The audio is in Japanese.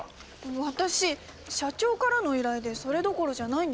私社長からの依頼でそれどころじゃないんですけど。